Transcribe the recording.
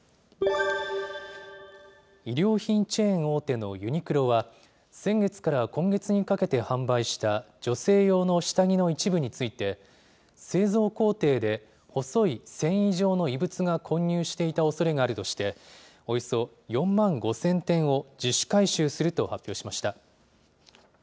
衣料品チェーン大手のユニクロは、先月から今月にかけて販売した女性用の下着の一部について、製造工程で細い繊維状の異物が混入していたおそれがあるとして、およそ４万５０００点を自主回収すると発表しました。